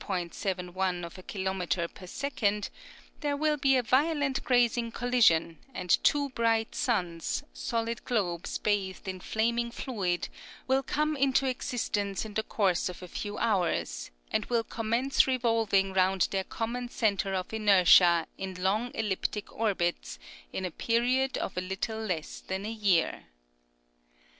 7 1 of a kilometre per second, there will be a violent grazing collision, and two bright suns, solid globes bathed in flaming fluid, will come into existence in the course of a few hours, and will commence revolving round their common centre of inertia in long elliptic orbits in a period of a little less than a year.